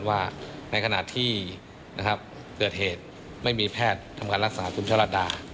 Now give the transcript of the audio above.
ว่าในขณะที่เกิดเหตุไม่มีแพทย์ทำการรักษาคุณชะลัดดา